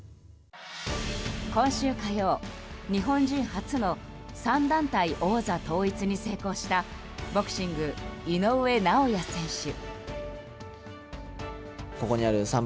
今週火曜、日本人初の３団体王座統一に成功したボクシング、井上尚弥選手。